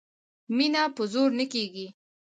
مینه په زور نه کېږي